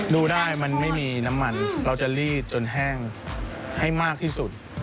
ดูได้มันไม่มีน้ำมันเราจะลีดจนแห้งให้มากที่สุด